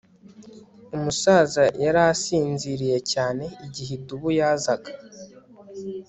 Umusaza yari asinziriye cyane igihe idubu yazaga